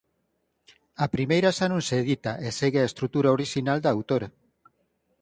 A primeira xa non se edita e segue a estrutura orixinal da autora.